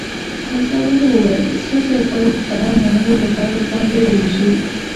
خان زمان وویل: زړه مې غواړي د قدم وهلو لپاره باندې ووځو.